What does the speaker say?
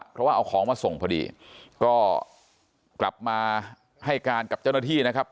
เพราะว่าเอาของมาส่งพอดีก็กลับมาให้การกับเจ้าหน้าที่นะครับ